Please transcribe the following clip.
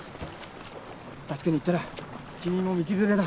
助けに行ったら君も道づれだ。